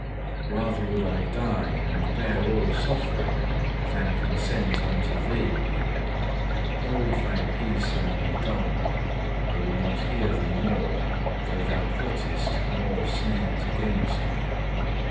Rather would I die and bear all suffering, than consent unto thee. Hold thy peace and be dumb; I will not hear thee more, though thou plottest more snares against me.